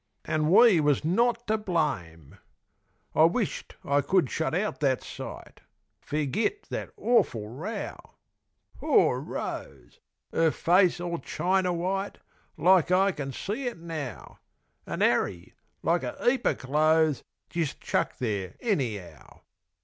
An' we was not to blame. I wisht I could shut out that sight; fergit that awful row! Poor Rose! 'Er face all chiner white, Like I can see it now; An' 'Arry like a heap o' clothes Jist chucked there any'ow.